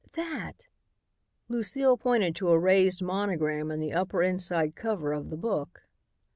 "That," Lucile pointed to a raised monogram in the upper inside cover of the book.